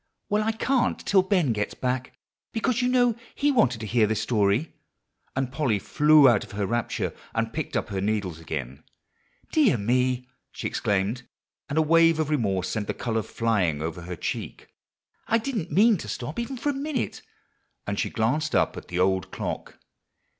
"Well, I can't till Ben gets back, because you know he wanted to hear this story;" and Polly flew out of her rapture, and picked up her needle again. "Dear me!" she exclaimed, and a wave of remorse sent the color flying over her cheek, "I didn't mean to stop even for a minute;" and she glanced up at the old clock.